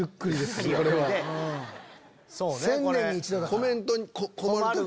コメントに困る。